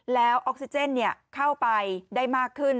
แล้วออกซิเจนเข้าไปได้มากขึ้น